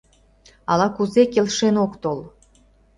Ала-кузе келшен ок тол.